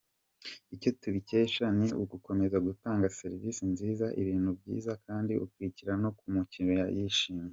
Icyo tubikesha ni ugukomeza gutanga serivisi nziza, ibintu byiza kandi ukazirikana ko umukiriya yishimye.